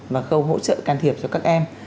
và khâu hỗ trợ can thiệp cho các em